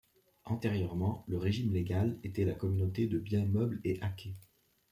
Antérieurement le régime légal était la communauté de biens meubles et acquêts.